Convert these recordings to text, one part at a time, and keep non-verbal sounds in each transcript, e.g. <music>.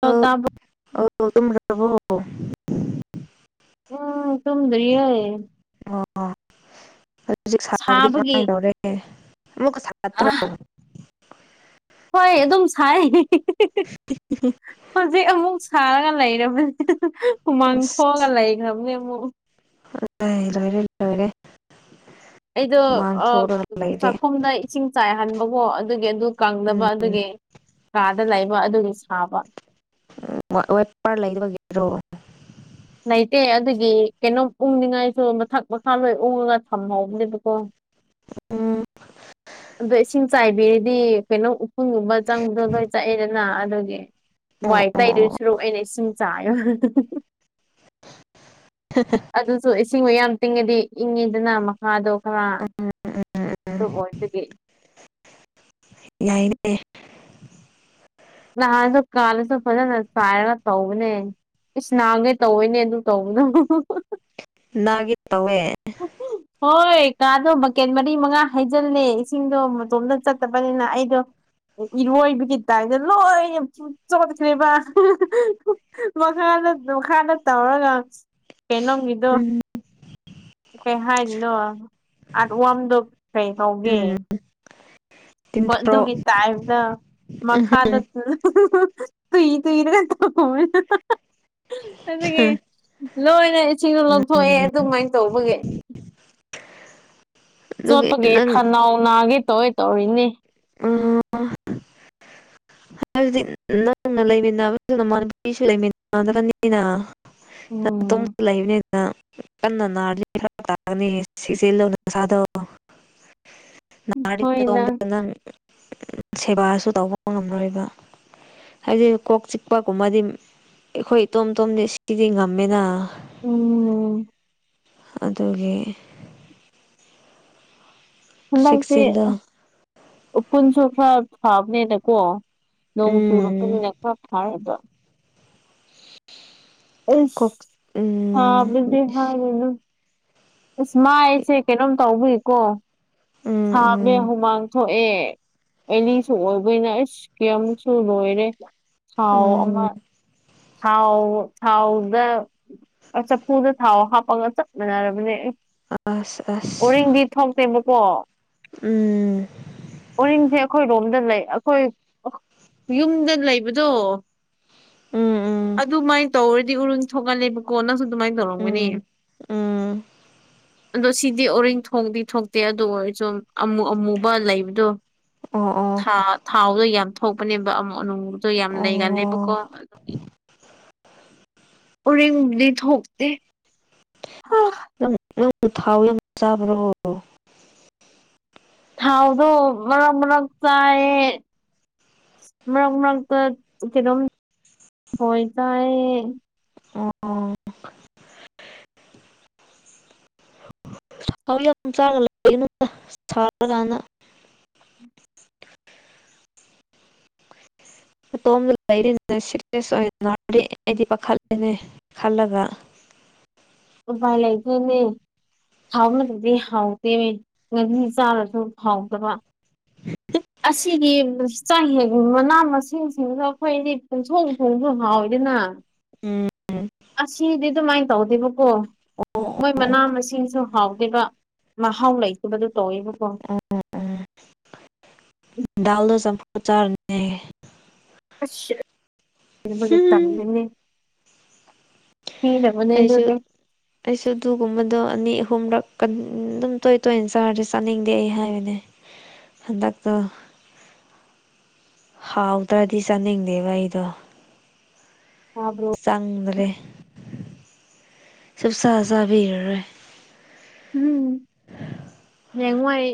ꯇ ꯑ ꯇꯥꯕ ꯑ ꯑꯗꯨꯕꯣ ꯎꯝ ꯊꯗꯔꯤ ꯑꯣ ꯑꯗꯨ ꯍꯧꯖꯤꯛ ꯁꯥꯕꯗꯤ ꯁꯥꯕꯒꯤ ꯀꯃꯥꯏꯅꯧꯔꯦ ꯃꯨ ꯑ ꯁꯥꯠꯇ꯭ꯔꯣ ꯍꯣꯏ ꯑꯦ ꯑꯗꯨꯝ ꯁꯥꯏ ꯍꯧꯖꯤꯛ ꯑꯃꯨꯛ ꯁꯥꯔꯒ ꯂꯩꯔꯕ ꯈꯨꯃꯥꯡ ꯊꯣꯛꯑꯒ ꯂꯩꯈ꯭ꯔꯕꯅꯦ ꯑꯃꯨꯛ ꯑ ꯏꯂꯔ ꯏꯔ ꯑꯩꯗꯣ ꯆꯥꯛꯈꯨꯝꯗ ꯏꯁꯤꯡ ꯆꯥꯏꯍꯟꯕꯀꯣ ꯑꯗꯨꯒꯤ ꯑꯗꯨ ꯎꯝ ꯀꯪꯅꯕ ꯑꯗꯨꯒꯤ ꯀꯥꯗ ꯂꯩꯕ ꯑꯗꯨꯒꯤ ꯁꯥꯕ ꯎ ꯋꯥꯦꯄꯔ ꯂꯩꯗꯕꯒꯤ꯭ꯔꯣ ꯂꯩꯇꯦ ꯑꯗꯨꯒꯤ ꯀꯩꯅꯣꯝ ꯎꯪꯅꯤꯡꯉꯥꯏꯁꯨ ꯃꯊꯛ ꯃꯈꯥ ꯂꯣꯏ ꯎꯡꯉꯒ ꯊꯝꯍꯧꯕꯅꯦꯕꯀꯣ ꯎꯝ ꯑꯗ ꯏꯁꯤꯡ ꯆꯥꯏꯕꯤꯔꯗꯤ ꯀꯩꯅꯣ ꯎꯀꯨꯟꯒꯨꯝꯕ ꯆꯪꯕꯗꯣ ꯂꯣꯏ ꯆꯠꯑꯗꯅ ꯑꯗꯨꯒꯤ ꯑꯣ ꯋꯥꯏ ꯇꯥꯏꯗ ꯑꯣ ꯑꯣ ꯁꯣꯔꯣꯛ ꯑꯩꯅ ꯏꯁꯤꯡ ꯆꯥꯏꯌ ꯑꯗꯨꯁꯨ ꯏꯁꯤꯡꯕꯨ ꯌꯥꯝ ꯇꯤꯡꯉꯗꯤ ꯏꯪꯉꯤꯗꯅ ꯃꯈꯥꯗꯣ ꯈꯔ ꯎꯝ ꯎꯝ ꯎꯝ ꯑꯣꯏꯇꯗꯒꯤ ꯌꯥꯏꯅꯦ ꯂꯍꯥꯟꯁꯨꯣ ꯀꯥꯂꯁꯨ ꯐꯖꯅ ꯁꯔ ꯇꯧꯅꯦ ꯏꯁ ꯅꯅꯥꯎꯅꯦ ꯇꯧꯏꯅꯦ ꯑꯗꯨ ꯇꯧꯕꯗ ꯅꯥꯒꯦ ꯇꯧꯋꯦ ꯍꯣꯏ ꯀꯥꯗꯣ ꯃꯀꯦꯟ ꯃꯔꯤ ꯃꯉꯥ ꯍꯩꯖꯤꯜꯂꯦ ꯏꯁꯤꯡꯗꯣ ꯃꯇꯣꯝꯇ ꯆꯠꯇꯕꯅꯤꯅ ꯑꯩꯗꯣ ꯏꯔꯕꯨꯣ ꯏꯕꯤ ꯂꯣꯏ ꯌꯥꯝ ꯆꯠꯈ꯭ꯔꯦꯕ ꯃꯈꯥꯗ ꯇꯧꯔꯒ ꯀꯩꯅꯣ ꯏꯗꯣ ꯎꯝ ꯀꯩ ꯍꯥꯏꯔꯤꯅꯣ ꯑꯥꯠ ꯋꯥꯝꯗꯣ ꯀꯩ ꯀꯧꯒꯦ ꯎꯝ ꯇꯤꯟꯊ꯭ꯔꯣ ꯑꯗꯨꯒꯤ ꯇꯥꯏꯞꯇ ꯎꯝ ꯃꯈꯥꯗ ꯇꯏ ꯇꯨꯏ ꯑꯅꯒꯦ ꯂꯣꯏꯅ ꯏꯁꯤꯡꯗꯣ ꯂꯧꯊꯣꯛꯑꯦ ꯑꯗꯨꯃꯥꯏꯅ ꯇꯧꯕꯒꯤ ꯑꯗꯨꯒꯤ ꯆꯣꯠꯄꯒꯤ ꯅꯪ ꯈꯅꯥꯎ ꯅꯥꯒꯦ ꯇꯧꯋ ꯇꯧꯔꯤꯅꯦ ꯑ ꯍꯥꯏꯗꯤ ꯅꯪꯅ ꯂꯩꯃꯤꯟꯅꯕ ꯅꯃꯄꯤꯁꯨ ꯂꯩꯃꯤꯟꯅꯗꯕꯅꯤꯅ ꯑ ꯇ ꯎꯝ ꯂꯩꯥꯏꯕꯅꯦ ꯀꯟꯅ ꯅꯥꯔꯅꯤ ꯈꯔ ꯇꯥꯒꯅꯤ ꯁꯤꯁꯦꯂꯨꯅ ꯑꯁꯥꯗꯣ ꯍꯣꯏꯗ ꯅꯍꯥꯔꯤꯉꯩꯗꯣꯝꯗꯗ ꯅꯪ ꯁꯦꯕꯥꯁꯨ ꯇꯧꯕ ꯉꯝꯔꯣꯏꯕ ꯍꯥꯏꯗꯤ ꯀꯣꯛ ꯆꯤꯛꯄꯒꯨꯝꯕꯗꯤ ꯑꯩꯈꯣꯏ ꯏꯇꯣꯝꯇꯣꯝꯗꯤ ꯁꯤꯗꯤ ꯉꯝꯃꯦꯅ ꯎꯝ ꯑꯗꯨꯒꯤ ꯍꯟꯗꯛꯁꯦ ꯆꯦꯛꯁꯤꯜꯂꯣ ꯄꯨꯨꯟꯁꯨ ꯈꯔ ꯐꯥꯕꯅꯦꯅꯀꯣ ꯅꯣꯡ ꯎꯝ ꯆꯨꯔꯛꯄꯅꯤꯅ ꯈꯔ ꯐꯥꯦꯕ ꯀꯣꯛ ꯑ ꯍꯥ ꯎꯝ ꯍꯅ ꯏꯁꯁ ꯃꯥꯏꯁꯦ ꯀꯩꯅꯣꯝ ꯇꯧꯕꯋꯏꯀꯣ ꯎꯝ ꯁꯥꯃꯦ ꯎꯝ ꯍꯨꯃꯥꯡ ꯊꯣꯛꯑꯦ ꯑꯅꯤꯁꯨ ꯑꯣꯏꯕꯅ ꯑꯁ ꯀꯁꯨ ꯂꯣꯏꯔꯦ ꯊꯥꯎ ꯑꯃ ꯎꯝ ꯊꯥꯎ ꯊꯥꯎꯗ ꯆꯐꯨꯗ ꯊꯥꯎ ꯍꯥꯞꯄꯒ ꯆꯞꯃꯤꯥꯟꯟꯅꯔꯕꯅꯦ ꯑꯁ ꯑꯁ ꯑꯣꯔꯤꯡꯗꯤ ꯊꯣꯛꯇꯦꯕꯀꯣ ꯎꯝ ꯑꯩꯈꯣꯏꯔꯣꯝꯗ ꯂꯩ ꯑꯩꯈꯣꯏ ꯌꯨꯝꯗ ꯂꯩꯕꯗꯣ ꯎꯝ ꯎꯝ ꯑꯗꯨꯃꯥꯏꯅ ꯇꯧꯔꯗꯤ ꯎꯔꯨ ꯊꯣꯛꯍꯜꯂꯦꯕꯀꯣ ꯅꯪꯁꯨ ꯑꯗꯨꯃꯥꯏꯅ ꯇꯧꯔꯝꯒꯅꯤ ꯎꯝ ꯎꯝ <inaudible> ꯑꯗꯣ ꯁꯤꯗꯤ ꯑꯣꯔꯤꯡ ꯊꯣꯡꯗꯤ ꯊꯣꯛꯇꯦ ꯑꯗꯨ ꯑꯣꯏꯔꯁꯨ ꯑꯃꯨ ꯑꯃꯨꯕ ꯂꯩꯕꯗꯣ ꯑꯣ ꯑꯣ ꯊ ꯊꯥꯎꯗꯣ ꯌꯥꯝ ꯊꯣꯛꯄꯅꯦꯕ ꯑꯃ ꯑꯅꯨꯡꯗꯣ ꯌꯥꯝ ꯑꯣ ꯂꯩꯒꯂꯕꯀꯣ ꯎꯔꯔꯤꯗꯤ ꯊꯇ ꯍ ꯅꯪ ꯊꯥꯎ ꯆꯥꯕ꯭ꯔꯣ ꯊꯥꯎꯗꯣ ꯃꯔꯔꯛ ꯃꯔꯔꯛ ꯆꯥꯥꯏ ꯃꯔꯛ ꯃꯔꯔꯛ ꯀꯩꯅꯣꯝ ꯍꯣꯏ ꯀ ꯑꯣ ꯥꯎ ꯌꯥꯝ ꯑꯗꯨ ꯆꯥꯔ ꯁꯥꯔ ꯀꯥꯟꯗ <inaudible> ꯑꯇꯣꯝꯗ ꯂꯩꯔꯤ ꯁꯤꯔꯤꯁ ꯑꯩꯗꯤ ꯄꯥꯈꯠꯂꯦꯅꯦ ꯈꯜꯂꯒ ꯚ ꯂꯩꯒꯅꯦ ꯍꯥꯎꯅꯗꯗꯤ ꯍꯥꯎꯗꯦ ꯉꯥꯅꯤ ꯆꯥꯔꯁꯨ ꯍꯥꯎꯗꯕ ꯑꯁꯤꯒꯤ ꯆꯌꯦ ꯃꯅꯥ ꯃꯁꯤꯡꯁꯤꯡꯗꯣ ꯑꯩꯈꯣꯏꯗꯤ ꯄꯨꯟꯊꯣꯡ ꯁꯣꯡꯁꯨ ꯍꯥꯎꯋ ꯑꯗꯨꯅ ꯎꯝ ꯑꯁꯤꯗꯤ ꯑꯗꯨꯃꯥꯏꯅ ꯇꯧꯗꯦꯕꯀꯣ ꯑꯣ ꯃꯣꯏ ꯑꯣ ꯃꯅꯥ ꯃꯁꯤꯡꯁꯨ ꯍꯥꯎꯗꯕ ꯃꯍꯥꯎ ꯂꯩꯇꯕꯗꯨ ꯇꯧꯋꯦꯕꯀꯣ <unintelligible> ꯗꯜꯗꯣ ꯆꯄ꯭ꯔ ꯆꯔꯅꯦ ꯇꯝꯅꯤ ꯑꯩꯁꯨ ꯑꯩꯁꯨ ꯑꯗꯨꯒꯨꯝꯕꯗꯣ ꯑꯅꯤ ꯑꯍꯨꯝꯔꯛ ꯑꯗꯨꯝ ꯇꯣꯏ ꯇꯣꯏꯅ ꯆꯥꯔꯗꯤ ꯆꯥꯅꯤꯡꯗꯦ ꯑꯩ ꯍꯥꯏꯕꯅꯦ ꯍꯥꯟꯗꯇ ꯍꯥꯎ ꯎꯗꯔꯗꯤ ꯆꯅꯤꯡꯗꯦꯕ ꯑꯩꯗꯣ ꯇꯥꯕ꯭ꯔꯣ ꯆꯪꯗꯦ ꯁ ꯁꯥꯁ ꯁꯥꯕꯤꯔꯔꯦ ꯎꯝ ꯍꯉꯥꯏ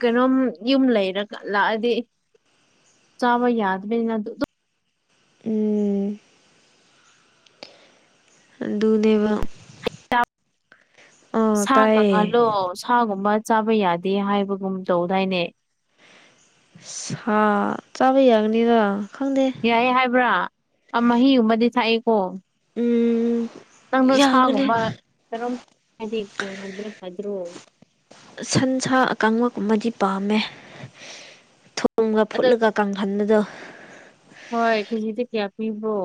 ꯀꯩꯅꯣꯝ ꯌꯨꯝ ꯂꯩꯔ ꯂꯥꯛꯑꯗꯤ ꯆꯥꯎꯥꯕ ꯌꯥꯗ ꯃꯅ ꯎꯝ ꯑꯗꯨꯗꯨꯗꯕ ꯑꯥ ꯁꯥ ꯇꯥꯏꯌꯦ ꯀꯪꯍꯜꯂꯣ ꯁꯥꯒꯨꯝꯕ ꯆꯥꯕ ꯌꯥꯗꯦ ꯍꯥꯏꯕꯒꯨꯝ ꯇꯧꯗꯥꯏꯅꯦ ꯍꯥ ꯆꯥꯕ ꯌꯥꯒꯅꯤꯗ ꯈꯪꯗꯦ ꯌꯥꯏꯦ ꯍꯥꯏꯕ꯭ꯔꯥ ꯃꯍꯤꯒꯨꯝꯕꯗꯤ ꯊꯥꯛꯏꯦꯀꯣ ꯎꯝ ꯅꯪꯅ ꯌꯥꯒꯅꯤ ꯁꯥꯒꯨꯝꯕ ꯀꯔꯝ ꯍꯥꯏꯗꯤꯕꯤꯔꯝ ꯍꯥꯏꯗ꯭ꯔꯣ ꯁꯟ ꯁꯥ ꯀꯥꯡꯂꯨꯞꯨꯝꯃꯗꯤ ꯄꯥꯝꯃꯦ ꯊꯨꯝꯒ ꯑꯗ ꯐꯨꯠꯂꯒ ꯀꯥꯡꯈꯟꯕꯗꯣ ꯍꯣꯏ ꯈꯦꯖꯤꯗ ꯀꯌꯥ ꯄꯤꯕꯣ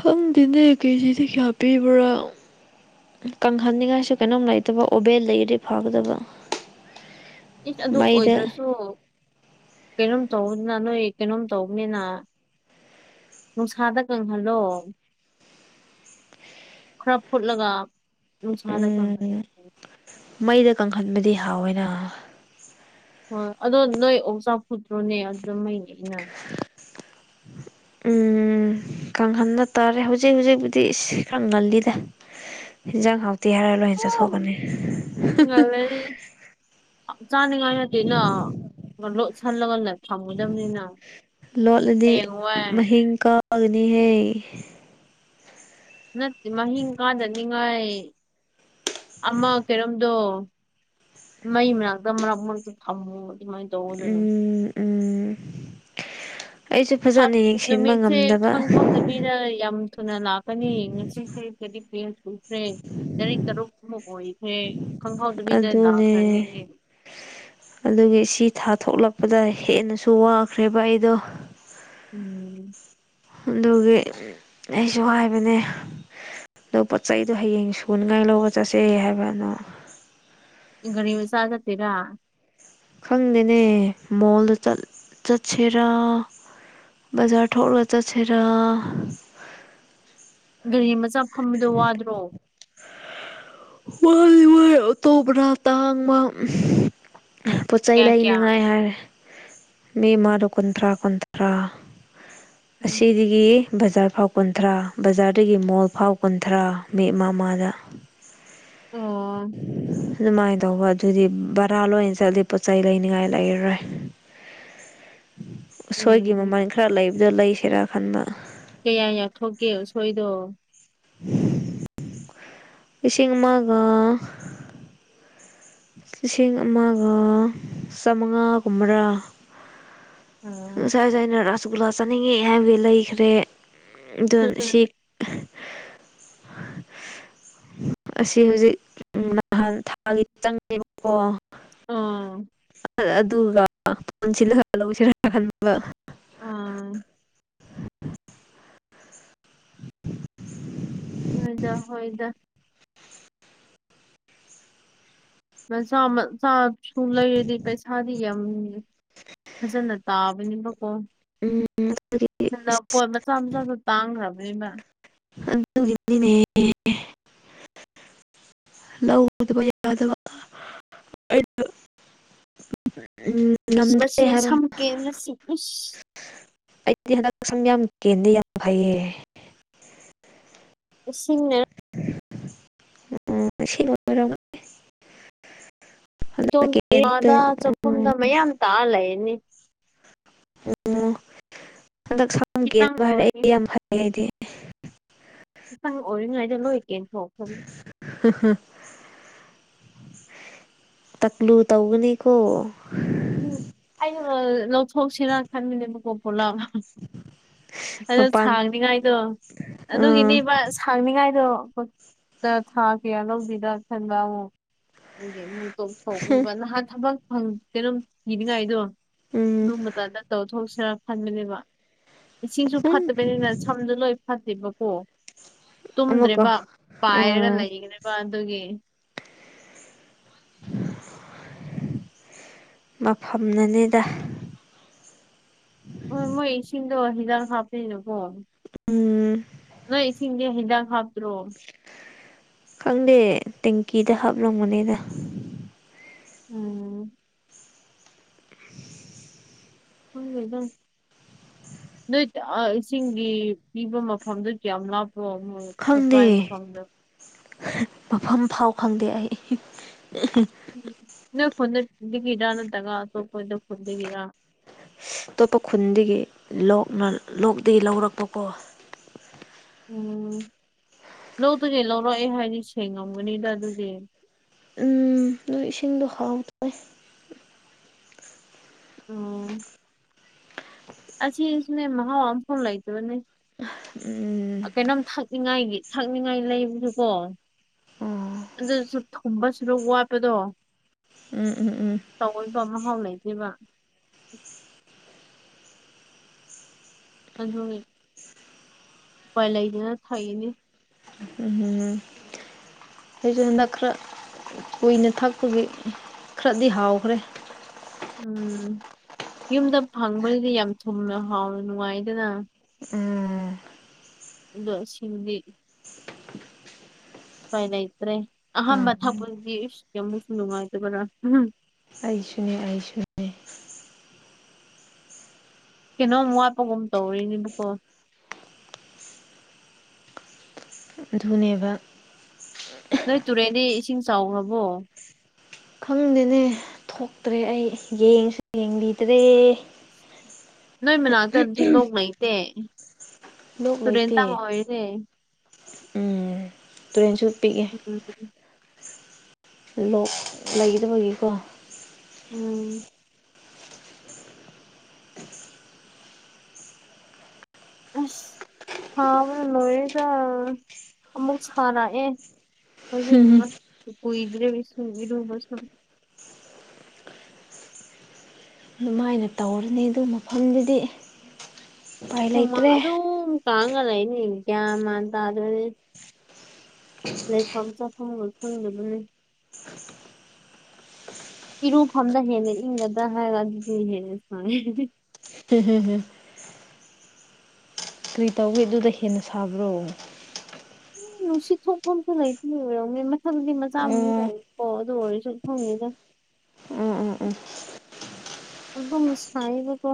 ꯈꯪꯗꯦꯅꯦ ꯀꯦꯖꯤꯗꯤ ꯀꯌꯥ ꯄꯤꯕ꯭ꯔꯥ ꯀꯪꯍꯟꯅꯤꯡꯉꯥꯏꯁꯨ ꯀꯩꯅꯣꯝ ꯂꯩꯇꯕ ꯑꯣꯕꯦꯜ ꯂꯩꯗꯤ ꯐꯥꯒꯗꯕ ꯏꯁ ꯑꯗꯨ ꯑꯣꯏꯗ꯭ꯔꯁꯨ ꯀꯩꯅꯣꯝ ꯇꯧꯕꯅ ꯅꯣꯏ ꯀꯩꯅꯣꯝ ꯇꯧꯕꯅꯤꯅ ꯅꯨꯡꯁꯥꯗ ꯀꯪꯍꯜꯂꯣ ꯈꯔ ꯐꯨꯠꯂꯒ ꯅꯨꯡꯁꯥꯗ ꯀꯪꯍꯜꯂꯣ ꯎꯝ ꯃꯩꯗ ꯀꯪꯈꯟꯕꯗꯤ ꯍꯥꯎꯋꯦꯅ ꯍꯣꯏ ꯑꯗꯣ ꯅꯣꯏ ꯑꯣꯛ ꯆꯥ ꯐꯨꯠꯇ꯭ꯔꯣꯅꯦ ꯑꯗꯨꯗ ꯃꯅꯦ ꯏꯟꯅꯔꯦ ꯎꯝ ꯀꯪꯍꯟꯅ ꯇꯥꯔꯦ ꯍꯧꯖꯤꯛ ꯍꯧꯖꯤꯛꯄꯨꯗꯤ ꯏꯁ ꯈꯪꯍꯜꯂꯤꯗ ꯏꯟꯖꯥꯡ ꯍꯇꯤ ꯇꯤꯍꯔ ꯑꯣꯏ ꯂꯣꯏ ꯍꯁ ꯁꯧ ꯀꯅꯤ ꯆꯥꯅꯤꯉꯥꯏ ꯍꯥꯏꯤ ꯅ ꯂ ꯁꯥꯟꯂꯒꯜꯂ ꯊꯝꯉꯨꯗꯕꯅꯤꯅ ꯍꯌꯦꯡ ꯋꯥꯏ ꯑꯒꯅꯤ ꯍꯥꯏ ꯅꯠꯇꯦ ꯃꯍꯤꯡ ꯀꯥꯖꯅꯤꯡꯉꯥꯏ ꯑꯃ ꯀꯔꯣꯝꯗꯣ ꯃꯩ ꯃꯅꯥꯛꯇ ꯃꯔꯛꯃꯁꯨ ꯊꯝꯃꯣ ꯁꯃꯥꯏ ꯇꯣꯗꯅ ꯎꯝ ꯎꯝ ꯑꯩꯁꯨ ꯐꯖꯅ ꯌꯦꯡꯁꯤꯟꯕ ꯅꯨꯃꯤꯠꯁꯦ ꯉꯝꯗꯕ ꯈꯪꯍꯧꯗꯕꯤꯅ ꯌꯥꯝ ꯊꯨꯅ ꯂꯥꯛꯀꯅꯤ ꯉꯁꯤꯁꯦ ꯀꯦꯗꯤ ꯄꯦꯖ ꯀꯨꯏꯈ꯭ꯔꯦ ꯇꯔꯤꯛ ꯇꯔꯨꯛꯃꯨꯛ ꯑꯣꯏꯈ꯭ꯔꯦ ꯈꯪꯍꯧꯗꯕꯤꯗ ꯑꯗꯨꯅꯦ ꯂꯥꯛꯈ꯭ꯔꯅꯤꯅꯦ ꯑꯗꯨꯒꯤ ꯁꯤ ꯊꯥ ꯊꯣꯛꯂꯛꯄꯗ ꯍꯦꯟꯅꯁꯨ ꯋꯥꯈ꯭ꯔꯦꯕ ꯑꯩꯗꯣ ꯎꯝ ꯑꯗꯨꯒꯤ ꯑꯩꯁꯨ ꯍꯥꯏꯕꯅꯦ ꯑꯗ ꯄꯣꯠ ꯆꯩꯗꯣ ꯍꯌꯦꯡ ꯁꯨꯅꯤꯡꯉꯥꯏ ꯂꯧꯕ ꯆꯠꯁꯦ ꯍꯥꯏꯕꯅꯣ ꯅꯤ ꯁꯥꯗꯦꯔ ꯈꯪꯗꯦꯅꯦ ꯃꯣꯜꯗ ꯆꯠꯁꯤꯦꯔꯥ ꯕꯖꯔ ꯊꯣꯛꯔꯒ ꯆꯠꯁꯤꯦꯔ ꯒꯥꯔꯤ ꯃꯆꯥ ꯐꯝꯕꯗꯣ ꯋꯥꯗ꯭ꯔꯣ ꯋꯥ ꯇꯣꯕ꯭ꯔ ꯇꯥꯡ ꯄꯣꯠ ꯆꯩ ꯀꯌꯥ ꯀꯌꯥ ꯂꯩꯅꯤꯉꯥꯏ ꯍꯥꯏꯔꯦ ꯃꯤ ꯃꯥꯗ ꯀꯨꯟꯊ꯭ꯔꯥ ꯀꯨꯟꯊ꯭ꯔꯥ ꯎꯝ ꯑꯁꯤꯗꯒꯤ ꯕꯖꯥꯔ ꯐꯥꯎ ꯀꯨꯟꯊ꯭ꯔꯥ ꯕꯖꯥꯔꯗꯒꯤ ꯃꯣꯜ ꯐꯥꯎ ꯀꯨꯟꯊ꯭ꯔꯥ ꯃꯤ ꯑꯃꯃꯥꯗ ꯑꯣ ꯑꯗꯨꯃꯥꯏꯅ ꯇꯧꯕ ꯑꯗꯨꯗꯤ ꯚꯔꯥ ꯂꯣꯏꯅ ꯆꯠꯂꯤ ꯄꯣꯠꯆꯩ ꯂꯩꯅꯤꯉꯥꯏ ꯂꯩꯔꯔꯣꯏ꯫ ꯎꯁꯣꯏꯒꯤ ꯎꯝ ꯃꯃꯜ ꯈꯔ ꯂꯩꯕꯗꯣ ꯂꯩꯁꯤꯔꯥ ꯈꯟꯕ꯫ ꯀꯌꯥ ꯌꯥꯊꯣꯛꯀꯦ ꯎꯁꯣꯏꯗꯣ꯫ ꯂꯤꯁꯤꯡ ꯑꯃꯒ ꯂꯤꯁꯤꯡ ꯑꯃꯒ ꯆꯥꯃꯉꯥ ꯒꯨꯝꯕꯔꯥ꯫ ꯎꯝ ꯉꯁꯥꯏ-ꯉꯁꯥꯏ ꯑꯩꯅ ꯔꯥꯁꯒꯨꯂꯥ ꯆꯥꯅꯤꯡꯉꯦ ꯍꯥꯏꯕꯗꯩ ꯂꯩꯈꯔꯦ꯫ ꯑꯗꯨꯅ ꯁꯤ ꯑꯁꯤ ꯍꯨꯖꯤꯛ ꯅꯍꯥꯟ ꯊꯥꯒꯤ ꯆꯪꯉꯦꯕꯀꯣ꯫ ꯑꯥ ꯑꯗꯨꯒ ꯄꯨꯟꯁꯤꯜꯂꯒ ꯂꯧꯁꯤꯔ ꯈꯟꯕ꯫ ꯑꯥ <inaudible> <inaudible> ꯍꯣꯏꯗ ꯍꯣꯏꯗ ꯃꯆꯥ-ꯃꯆꯥꯁꯨ ꯂꯩꯔꯗꯤ ꯄꯩꯁꯥꯗꯤ ꯌꯥꯝꯅꯤ꯫ ꯐꯖꯅ ꯇꯥꯕꯅꯤꯕꯀꯣ ꯎꯝ ꯑꯗꯨꯒꯤ ꯁꯅꯥꯄꯣꯠ ꯃꯆꯥ-ꯃꯆꯥꯗꯨ ꯇꯥꯡꯈ꯭ꯔꯕꯅꯤꯅ ꯑꯗꯨꯒꯤꯅꯤꯅꯦ ꯂꯧꯗꯕ ꯌꯥꯗꯕ ꯑꯩꯅ, ꯎꯝ ꯉꯝꯗ꯭ꯔꯦ ꯃꯁꯤ ꯍꯥꯏꯕ ꯁꯝ ꯀꯦꯟꯕꯁꯤ ꯎꯁ ꯑꯩꯗꯤ ꯍꯟꯗꯛ ꯁꯝ ꯌꯥꯝ ꯀꯦꯟꯗꯦ ꯌꯥꯝ ꯐꯩꯌꯦ꯫ ꯏꯁꯤꯡꯅꯦ ꯎꯝ ꯏꯁꯤꯡꯅ ꯑꯣꯏꯔꯝꯒꯅꯤ ꯑꯗꯨꯝ ꯍꯟꯗꯛ ꯀꯦꯟꯕꯗ ꯀꯥꯗ ꯆꯥꯛꯈꯨꯝꯗ ꯃꯌꯥꯝ ꯇꯥ ꯂꯩꯔꯅꯤ꯫ ꯑꯣ ꯍꯟꯗꯛ ꯁꯝ ꯈꯤꯇꯪ ꯀꯦꯟꯕ ꯍꯥꯏꯔꯒ ꯑꯣꯏꯔꯤ ꯑꯩꯗꯤ ꯌꯥꯝ ꯐꯩꯌꯦ ꯑꯩꯗꯤ ꯑꯍꯟ ꯑꯣꯏꯔꯤꯉꯩꯗ ꯂꯣꯏ ꯀꯦꯟꯊꯣꯛꯈꯔꯅꯤ ꯇꯛꯂꯨ ꯇꯧꯒꯅꯤꯀꯣ ꯎꯝ ꯑꯩꯅ ꯂꯧꯊꯣꯛꯁꯤꯔ ꯈꯟꯕꯅꯦꯕꯀꯣ ꯄꯨꯂꯞ ꯑꯗꯣ ꯃꯄꯥꯟ ꯁꯥꯡꯅꯤꯉꯥꯏꯗꯣ ꯑꯥ ꯑꯗꯨꯒꯤꯅꯦꯕ ꯁꯥꯡꯅꯤꯉꯥꯏꯗꯣ ꯍꯨꯠꯇ ꯊꯥ ꯀꯌꯥ ꯂꯧꯒꯤꯗꯥ ꯈꯟꯕ ꯑꯃꯨꯛ ꯅꯪꯒꯤ ꯑꯃꯨꯛ ꯇꯣꯛꯊꯣꯛꯅꯤꯕ ꯅꯍꯥꯟ ꯊꯕꯛ ꯐꯪ ꯀꯩꯅꯣꯝ ꯊꯤꯅꯤꯡꯉꯥꯏꯗꯣ ꯎꯝ ꯑꯗꯨꯝꯕ ꯀꯥꯟꯗ ꯇꯧꯊꯣꯛꯁꯤꯔꯥ ꯈꯟꯕꯅꯦꯕ ꯏꯁꯤꯡꯁꯨ ꯍꯨꯝ ꯐꯠꯇꯕꯅꯤꯅ ꯁꯝꯖꯨ ꯂꯣꯏ ꯐꯠꯇꯦꯕꯀꯣ꯫ ꯑꯃꯨꯛꯀ ꯇꯨꯝꯗ꯭ꯔꯦꯕ ꯄꯥꯏꯔꯒ ꯎꯝ ꯂꯩꯒ꯭ꯔꯦꯕ ꯑꯗꯨꯒꯤ <inaudible> ꯃꯐꯝꯅꯅꯤꯗ ꯎꯝ ꯃꯣꯏ ꯏꯁꯤꯡꯗꯣ ꯍꯤꯗꯥꯛ ꯍꯥꯞꯄꯅꯤꯅ ꯀꯣ ꯎꯝ ꯅꯣꯏ ꯏꯁꯤꯡꯗꯤ ꯍꯤꯗꯥꯛ ꯍꯥꯞꯇ꯭ꯔꯣ꯫ ꯈꯪꯗꯦ ꯇꯦꯡꯀꯤꯗ ꯍꯥꯞꯂꯝꯒꯅꯤꯗꯥ ꯎꯝ ꯈꯪꯗꯦꯗꯥ ꯅꯣꯏ ꯇ-ꯑꯥ ꯏꯁꯤꯡꯒꯤ ꯄꯤꯕ ꯃꯐꯝꯗꯨ ꯀ꯭ꯌꯥꯝ ꯂꯥꯞ ꯅꯣ ꯃꯣꯏ ꯈꯪꯗꯦ ꯁꯄ꯭ꯂꯥꯏ ꯃꯐꯝꯗꯣ ꯃꯐꯝ ꯐꯥꯎ ꯈꯪꯗꯦ ꯑꯩ ꯅꯣꯏ ꯈꯨꯟꯗ ꯍꯨꯠꯅꯤꯡꯂꯤꯔꯥ ꯅꯠꯇ꯭ꯔꯒ ꯑꯇꯣꯞꯄꯗ ꯈꯨꯟꯗꯒꯤꯔꯥ ꯑꯇꯣꯞꯄ ꯈꯨꯟꯗꯒꯤ ꯂꯣꯛꯅ ꯂꯣꯛꯇꯗꯒꯤ ꯂꯧꯔꯛꯄꯀꯣ ꯎꯝ ꯂꯧꯗꯨꯒꯦ ꯂꯧꯔꯛꯑꯦ ꯍꯥꯏꯗꯤ ꯁꯦꯡꯉꯝꯒꯅꯤꯗ ꯑꯗꯨꯒꯤ ꯎꯝ ꯅꯣꯏ ꯏꯁꯤꯡꯗꯣ ꯍꯥꯎꯗꯦ ꯑ ꯑꯁꯤꯁꯨꯅꯦ ꯃꯍꯥꯎ ꯑꯐꯥꯎ ꯂꯩꯇꯕꯅꯦ ꯎꯝ ꯀꯩꯅꯣꯝ ꯊꯛꯅꯤꯡꯉꯥꯏꯒꯤ ꯊꯛꯅꯤꯡꯉꯥꯏ ꯂꯩꯕꯁꯨꯀꯣ ꯑꯣ ꯑꯗꯨꯁꯨ ꯀꯨꯝꯕꯁꯨꯔ ꯋꯥꯠꯄꯗꯣ ꯎꯝ ꯎꯝ ꯎꯝ ꯇꯑꯣꯏꯕ ꯑꯃ ꯍꯥꯎ ꯂꯩ ꯗꯤꯕ ꯑꯗꯨ ꯎꯄꯥꯏ ꯂꯩꯗꯅ ꯊꯥꯛꯏꯅꯤ ꯎꯝ ꯎꯝ ꯎꯝ ꯍꯁꯨ ꯈꯔ ꯀꯨꯏꯅ ꯊꯛꯄꯒꯤ ꯈꯔꯗꯤ ꯍꯥꯎꯈ꯭ꯔꯦ ꯎꯝ ꯌꯨꯝꯗ ꯐꯪꯕꯗꯨꯗꯤ ꯌꯥꯝ ꯊꯨꯝꯅ ꯍꯥꯎꯅ ꯅꯨꯡꯉꯥꯏꯗꯅ ꯎꯝ ꯗ ꯍꯤꯟꯗꯤ ꯎꯐꯥꯏ ꯂꯩꯇ꯭ꯔꯦ ꯎꯝ ꯑꯍꯥꯟꯕ ꯊꯥ ꯄꯨꯟꯒꯤ ꯀꯃꯨꯛꯁꯨ ꯅꯨꯡꯉꯥꯏꯇꯕꯅ ꯑꯩꯁꯨꯅꯤ ꯑꯩꯁꯨꯅꯤ ꯀꯩꯅꯣꯝ ꯋꯥꯠꯄꯒꯨꯝ ꯇꯧꯔꯤꯅꯦꯕꯀꯣ ꯑꯗꯨꯅꯦꯕ ꯅꯣꯏ ꯇꯨꯔꯦꯟꯗꯤ ꯏꯁꯤꯡ ꯆꯥꯎꯈ꯭ꯔꯕꯣ ꯈꯪꯗꯦꯅꯦ ꯊꯣꯛꯇ꯭ꯔꯦ ꯑꯩ ꯌꯦꯡꯁꯨ ꯌꯦꯡꯕꯤꯗ꯭ꯔꯦ ꯅꯣꯏ ꯃꯅꯥꯛꯇꯅꯗꯤ ꯂꯣꯛ ꯂꯩꯩꯇꯦ ꯂꯣꯛ ꯇꯨꯔꯦꯟ ꯂꯩꯇꯦ ꯇꯥꯃꯑꯣꯔꯦ ꯎꯝ ꯇꯨꯔꯦꯟꯁꯨ ꯄꯤꯛꯑꯦ ꯎꯝ ꯂꯣꯛ ꯂꯩꯒꯗꯕꯒꯤꯀꯣ ꯎꯝ ꯍꯥ ꯃ ꯂꯣꯌꯦꯗ ꯑꯃꯃꯨꯛ ꯁ ꯈꯥꯅꯥ ꯑꯦ ꯍꯧꯖꯤꯛ ꯀꯨꯏꯗ꯭ꯔꯦ ꯏꯔꯕꯁ ꯑꯗꯨꯃꯥꯏꯅ ꯇꯧꯔꯅꯤ ꯑꯗꯨ ꯃꯐꯝꯗꯨꯗꯤ ꯎꯄꯥꯏ ꯍꯃꯥꯡ ꯂꯩꯇ꯭ꯔꯦ ꯑꯗꯨꯝ ꯀꯥꯡꯉ ꯂꯩꯅꯦ ꯒ꯭ꯌꯥꯃꯥꯟ ꯇꯥꯗꯗꯤ ꯂꯩꯐꯝ ꯆꯥꯐꯝꯒ ꯐꯪꯗꯕꯅꯤ ꯏꯔꯨꯐꯝꯗ ꯍꯦꯟꯅ ꯏꯪꯒꯗ꯭ꯔ ꯍꯥꯏꯔꯒ ꯑꯗꯨ ꯍꯦꯟꯅ ꯁꯨꯃ ꯍꯝ ꯍꯝ ꯍꯝ ꯀꯔꯤ ꯇꯧꯏꯤ ꯑꯗꯨꯗ ꯍꯦꯟꯅ ꯁꯥꯕ꯭ꯔꯣ ꯅꯣꯏ ꯅꯨꯡꯁꯤꯠ ꯊꯣꯛꯄ ꯑꯝꯇ ꯂꯩꯇ꯭ꯦꯔꯣꯅꯦ ꯃꯊꯪꯒꯤ ꯃꯆꯥ ꯑꯃꯨ ꯎꯝ ꯂꯩꯦ ꯑꯣꯗ ꯑꯣꯏꯔꯤꯁꯨ ꯍꯉꯗ ꯎꯝ ꯎꯝ ꯎꯝ ꯑꯗꯨꯗꯁꯕꯀꯣ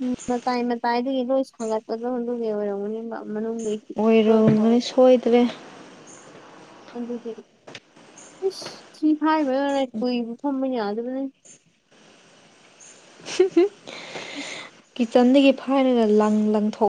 ꯎꯝ ꯃꯇꯥꯏ ꯃꯇꯥꯏꯗꯨꯒꯤ ꯂꯣꯏ ꯁꯥꯒꯠꯄꯗꯣ ꯑꯗꯨꯒꯤ ꯑꯣꯏꯔꯝꯒꯅꯤ ꯃꯅꯨꯡ ꯑꯣꯏꯔꯣꯕꯅꯤ ꯁꯣꯏꯗ꯭ꯔꯦ ꯑꯗꯨꯗꯤ ꯏꯁꯁ ꯁꯤ ꯍꯥꯏꯕꯅ ꯀꯨꯏꯕ ꯐꯝꯕ ꯌꯥꯗꯕꯅꯦ ꯀꯤꯠꯆꯟꯗꯒꯤ ꯐꯥꯏꯔꯒ ꯂꯪ ꯂꯪꯊꯣꯛ